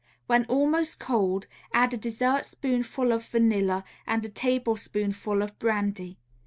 When almost cold, add a dessertspoonful of vanilla and a tablespoonful of brandy.